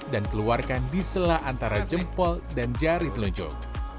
dan keluarkan di sela antara jempol dan jari telunjuk